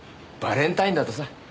バレンタインだとさ。